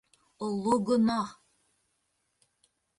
Оло гонаһ!